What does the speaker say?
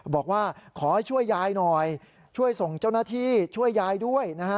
บอกว่าขอให้ช่วยยายหน่อยช่วยส่งเจ้าหน้าที่ช่วยยายด้วยนะฮะ